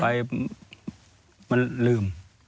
ไปมะลืม